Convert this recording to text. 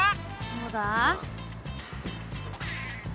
どうだ？